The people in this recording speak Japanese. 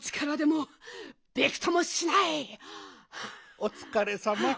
おつかれさま。